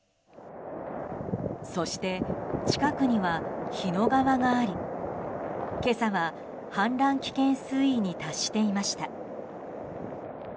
そして、近くには日野川があり今朝は氾濫危険水位に達していました。